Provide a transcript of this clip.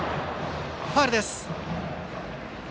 ファウルです。